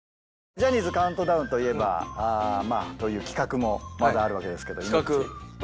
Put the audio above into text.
『ジャニーズカウントダウン』といえばという企画もまだあるわけですけど。